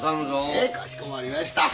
へえかしこまりました。